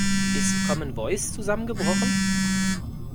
Ist Commen Voice zusammengebrochen?